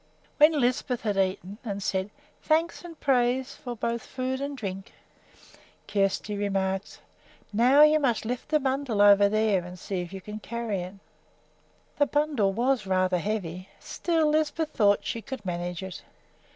When Lisbeth had eaten and had said "Thanks and praise for both food and drink," Kjersti remarked: "Now you must lift the bundle over there and see if you can carry it." The bundle was rather heavy. Still, Lisbeth thought she could manage it.